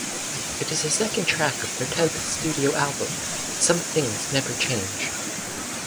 It is the second track on their tenth studio album "Some Things Never Change".